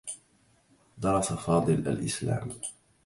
درس فاضل الإسلام.